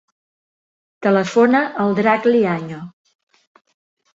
Telefona al Drac Liaño.